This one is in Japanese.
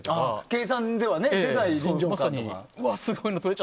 計算ではできない臨場感とか。